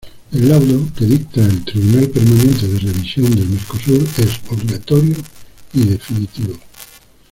El laudo que dicta Tribunal Permanente de Revisión del Mercosur es obligatorio y definitivo.